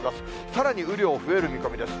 さらに雨量、増える見込みです。